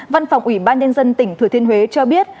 văn phòng ủy ban nhân dân tỉnh thừa thiên huế cho biết